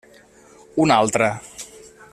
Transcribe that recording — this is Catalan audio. Una altra.